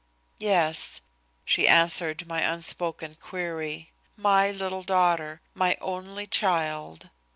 "Yes," she answered my unspoken query, "my little daughter; my only child.